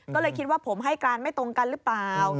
ก็เลยคิดว่าผมให้การไม่ตรงกันหรือเปล่า